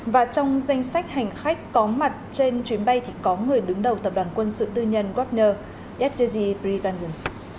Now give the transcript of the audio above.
và trong danh sách hành khách có mặt trên chuyến bay thì có người đứng đầu tập đoàn quân sự tư nhân gopner fjj preekanjan